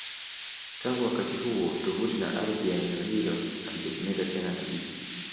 Tangu wakati huo, tovuti na ardhi ya eneo hilo havijatumika tena kabisa.